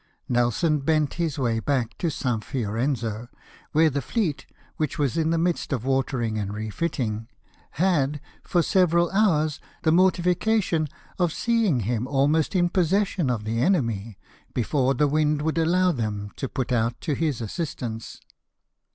Nelson bent his way back to St. Fiorenzo, where the fleet, which was in the midst of watering and refitting, had, for seven hours, the mortification of seeing him almost in possession of the enemy, before the wind would allow them to put out to his assistance.